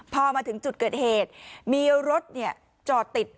พอมาถึงจุดเกิดเหตุมีรถจอดติด